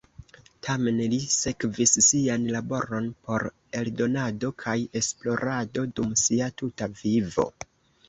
Tamen li sekvis sian laboron por eldonado kaj esplorado dum sia tuta vivo.